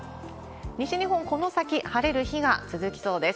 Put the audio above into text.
西日本、この先晴れる日が続きそうです。